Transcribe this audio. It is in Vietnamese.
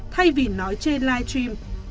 thay vì nói trên live stream